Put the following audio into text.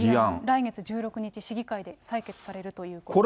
来月１６日、市議会で採決されるということです。